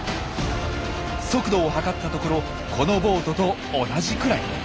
速度を測ったところこのボートと同じくらい。